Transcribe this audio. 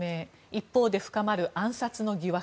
一方で深まる暗殺の疑惑。